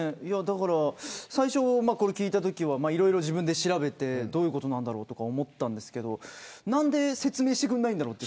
最初にこれを聞いたときいろいろ自分で調べてどういうことなんだろうと思ったんですけど何で説明してくれないんだろうと。